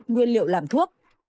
nguyên liệu làm thuốc